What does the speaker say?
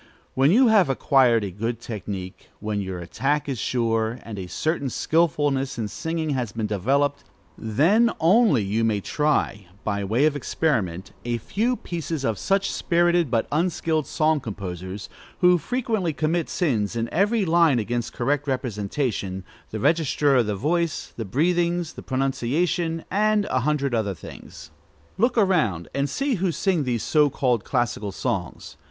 When you have acquired a good technique, when your attack is sure, and a certain skilfulness in singing has been developed, then only you may try, by way of experiment, a few pieces of such spirited but unskilled song composers, who frequently commit sins in every line against correct representation, the register of the voice, the breathings, the pronunciation, and a hundred other things. Look around and see who sing these so called classical songs.